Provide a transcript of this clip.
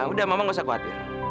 udah mama gak usah khawatir